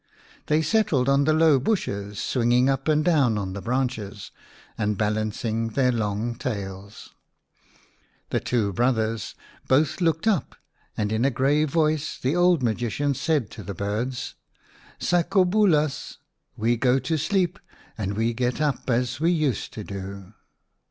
They settled on the low bushes, swing ing up and down on the branches, and balancing their long tails. The two brothers both looked up, and in a grave voice the old magician said to the birds, " Sakobulas, 1 we go to sleep and we get up as we used to do."